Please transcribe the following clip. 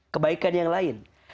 kebaikan yang lain